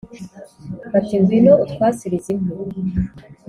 bati: “ngwino utwasirize inkwi.